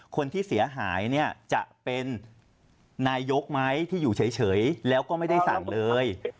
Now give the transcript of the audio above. คนที่เสียหายเนี่ยจะเป็นนายกไหมที่อยู่เฉยแล้วก็ไม่ได้สั่งเลย